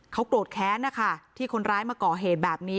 เขาโกรธแค้นนะคะที่คนร้ายมาก่อเหตุแบบนี้